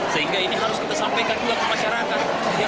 sehingga ini harus kita sampaikan juga ke masyarakat